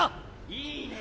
いいね！